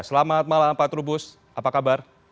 selamat malam pak trubus apa kabar